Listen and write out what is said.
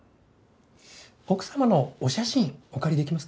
奥様のお写真お借りできますか？